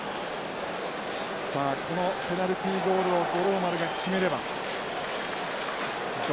さあこのペナルティーゴールを五郎丸が決めれば同点です。